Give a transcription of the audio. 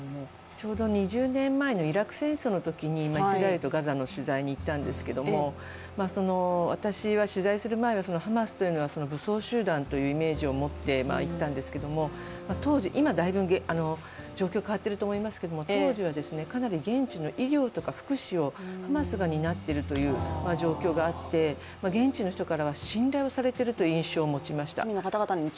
ちょうど２０年前にイスラエルとガザの取材に行ったんですけれども、私は取材する前はハマスというのは武装集団というイメージを持っていったんですけど、当時、今、だいぶ状況変わっていると思いますが当時はかなり現地の医療とか福祉をハマスが担っているという状況があって、現地の人からは信頼されているという印象を持ちました。